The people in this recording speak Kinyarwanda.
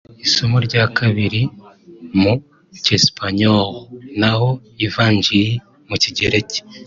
isomo rya kabiri mu Cyesipanyolo naho ivanjili mu Kigereki